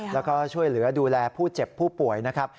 แล้วก็ช่วยเหลือดูแลผู้เจ็บผู้ป่วยนะครับ